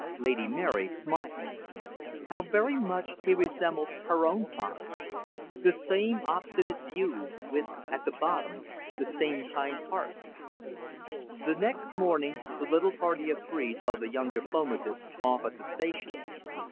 Lady Mary smiled. How very much he resembled her own father. The same obstinate views, with, at bottom, the same kind heart. The next morning, the little party of three saw the young diplomatist off at the station.